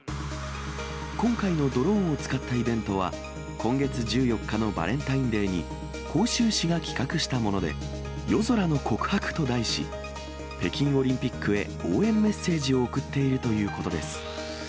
今回のドローンを使ったイベントは、今月１４日のバレンタインデーに広州市が企画したもので、夜空の告白と題し、北京オリンピックへ応援メッセージを送っているということです。